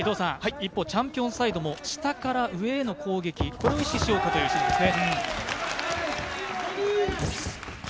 一方、チャンピオンサイドも下から上への攻撃これを意識しようという指示ですね。